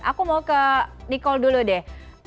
aku mau ke niko dulu deh